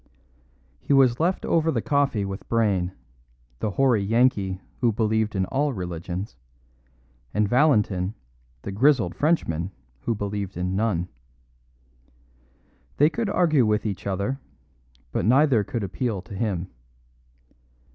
He was left over the coffee with Brayne, the hoary Yankee who believed in all religions, and Valentin, the grizzled Frenchman who believed in none. They could argue with each other, but neither could appeal to him.